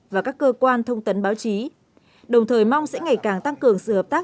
và các cơ quan thông tấn báo chí đồng thời mong sẽ ngày càng tăng cường sự hợp tác